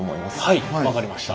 はい分かりました。